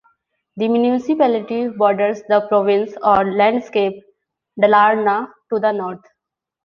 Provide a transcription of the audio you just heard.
The municipality borders the province or "landskap" Dalarna to the north.